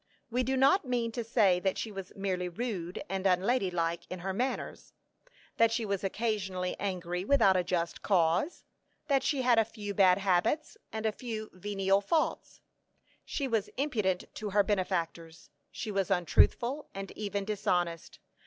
We do not mean to say that she was merely rude and unlady like in her manners; that she was occasionally angry without a just cause; that she had a few bad habits, and a few venial faults: she was impudent to her benefactors; she was untruthful, and even dishonest.